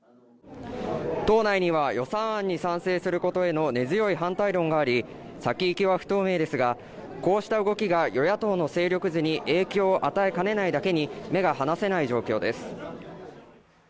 党内には予算案に賛成することへの根強い反対論があり、先行きは不透明ですが、こうした動きが与野党の勢力図に影響を与えかねないだけに目が離せない状況です。